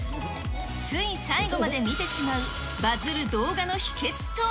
つい最後まで見てしまう、バズる動画の秘けつとは。